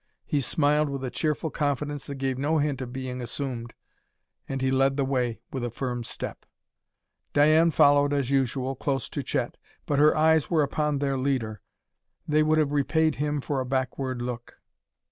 He smiled with a cheerful confidence that gave no hint of being assumed, and he led the way with a firm step. Diane followed as usual, close to Chet. But her eyes were upon their leader; they would have repaid him for a backward look.